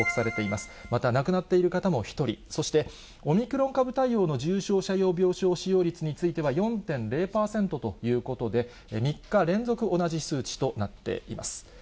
また亡くなっている方も１人、そしてオミクロン株対応の重症者用病床使用率については、４．０％ということで、３日連続、同じ数値となっています。